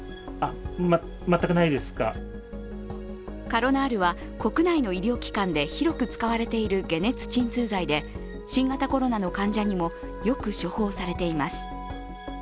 カロナールは国内の医療機関で広く使われている解熱鎮痛剤で新型コロナの患者にもよく処方されています。